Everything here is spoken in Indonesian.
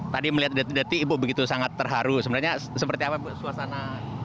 tadi melihat detik detik ibu begitu sangat terharu sebenarnya seperti apa ibu suasana